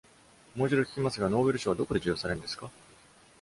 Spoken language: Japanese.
もう一度ききますが、ノーベル賞はどこで授与されるのですか？